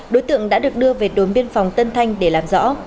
đối tượng đã được đưa về đồn biên phòng tân thanh để làm rõ